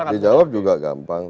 dijawab juga gampang